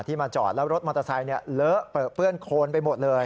ที่มาจอดแล้วรถมอเตอร์ไซส์เหลือเปิดเปื้อนโคลนไปหมดเลย